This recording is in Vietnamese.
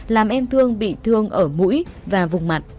làm em thương bị thương ở mũi và vùng mặn